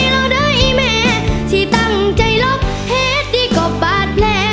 รอด้วยแม่ที่ตั้งใจลบเหตุที่ก็บาดแพร่